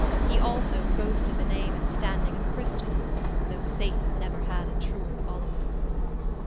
He also boasted the name and standing of a Christian, though Satan never had a truer follower.